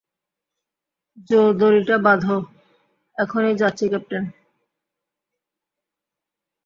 জো, দড়িটা বাধো, এখনই যাচ্ছি ক্যাপ্টেন।